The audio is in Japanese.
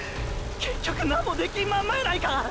結局何もできんまんまやないか！！